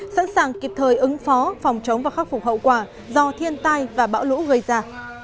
sẵn sàng kịp thời ứng phó phòng chống và khắc phục hậu quả do thiên tai và bão lũ gây ra